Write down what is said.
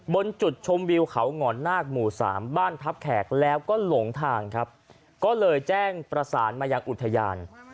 บนจุดชมวิวเขาหง่อนนาคหมู่สามบ้านทัพแขกแล้วก็หลงทางครับก็เลยแจ้งประสานมายังอุทยาน